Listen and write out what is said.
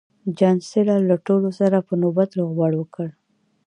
چانسلر له ټولو سره په نوبت روغبړ وکړ